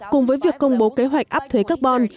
cùng với việc công bố kế hoạch áp thuế carbon